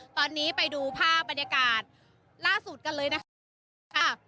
ตอนนี้ไปดูภาพบรรยากาศล่าสุดกันเลยนะคะ